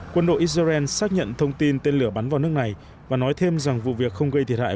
quân đội israel xác nhận thông tin tên lửa bắn vào nước này và nói thêm rằng vụ việc không gây thiệt hại